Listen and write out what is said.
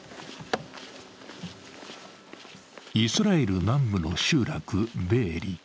イスラエル南部の集落、ベエリ。